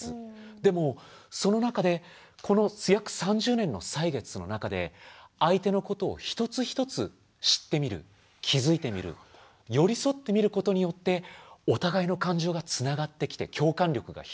でもその中でこの約３０年の歳月の中で相手のことを一つ一つ知ってみる気付いてみる寄り添ってみることによってお互いの感情がつながってきて共感力が広がっていく。